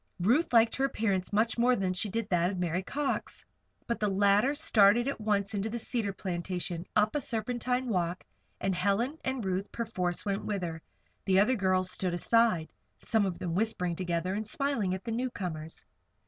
Ruth liked her appearance much more than she did that of Mary Cox. But the latter started at once into the cedar plantation, up a serpentine walk, and Helen and Ruth, perforce, went with her. The other girls stood aside some of them whispering together and smiling at the newcomers.